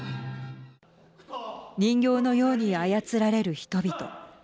人形のように操られる人々。